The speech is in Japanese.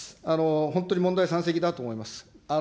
本当に問題山積だと思います。